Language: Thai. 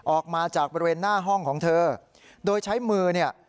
ออกมาจากบริเวณหน้าห้องของเธอโดยใช้มือเนี่ย